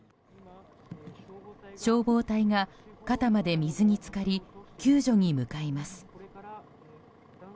消防隊が肩まで水に浸かり救助に向かいます。